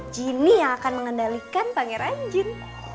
jin ini yang akan mengendalikan pangeran jin